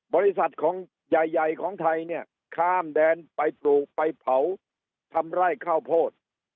บริษัทของใหญ่ใหญ่ของไทยเนี่ยข้ามแดนไปปลูกไปเผาทำไร่ข้าวโพด